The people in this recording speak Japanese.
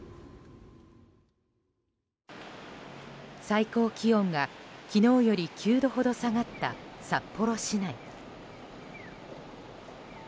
最高気温が昨日より９度ほど下がった札幌市内。